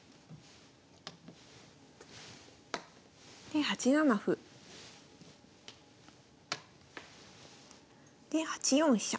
で８七歩。で８四飛車。